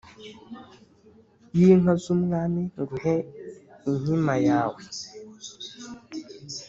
y’inka z’umwami nguhe inkima yawe